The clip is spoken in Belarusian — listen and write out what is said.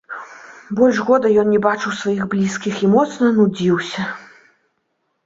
Больш года ён не бачыў сваіх блізкіх і моцна нудзіўся.